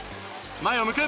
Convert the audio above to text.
前を向く。